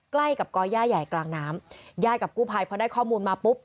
ใกล้กับก่อย่าใหญ่กลางน้ำญาติกับกู้ภัยพอได้ข้อมูลมาปุ๊บ